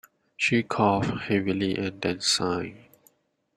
She coughed heavily and then sighed.